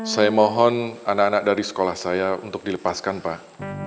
saya mohon anak anak dari sekolah saya untuk dilepaskan pak